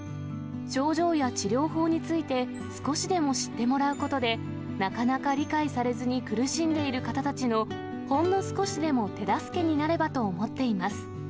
症状や治療法について、少しでも知ってもらうことで、なかなか理解されずに苦しんでいる方たちの、ほんの少しでも手助けになればと思っています。